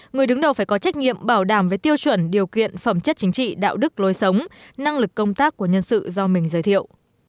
người đứng đầu phải có trách nhiệm bảo đảm với tiêu chuẩn điều kiện phẩm chất chính trị đạo đức lối sống năng lực công tác của nhân sự do mình giới thiệu